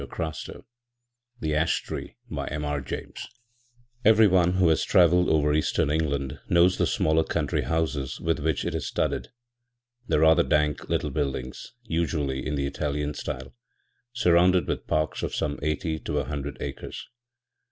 The Ash Tree by MR James Everyone who has travelled over Eastern England knows the smaller country houses with which it is studded â€" the rather dank little buildings, usually in the Italian style, surrounded with parks of some eighty to a hundred acres.